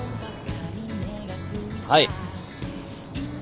はい。